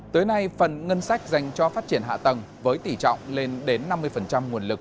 tới nay phần ngân sách dành cho phát triển hạ tầng với tỷ trọng lên đến năm mươi nguồn lực